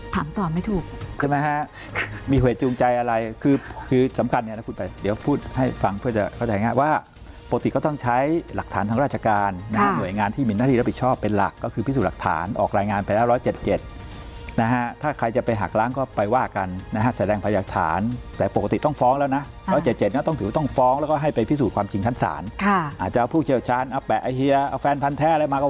ถามตอบไม่ถูกใช่มั้ยฮะมีเหตุจูงใจอะไรคือคือสำคัญเนี่ยนะคุณไปเดี๋ยวพูดให้ฟังเพื่อจะเข้าใจง่ายว่าปกติก็ต้องใช้หลักฐานทางราชการหน่วยงานที่มีหน้าที่รับผิดชอบเป็นหลักก็คือพิสูจน์หลักฐานออกรายงานไปแล้ว๑๗๗นะฮะถ้าใครจะไปหากล้างก็ไปว่ากันนะฮะใส่แรงภายฐานแต่ปกติต้องฟ้องแล้